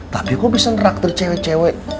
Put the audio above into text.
tapi kok bisa nerak teri cewek cewek